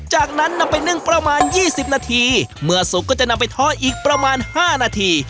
จากนั้นนำไปนึ่งประมาณ๒๐นาทีเมื่อสุกก็จะนำไปทอดอีกประมาณ๕นาที